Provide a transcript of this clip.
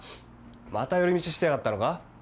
また寄り道してやがったのか？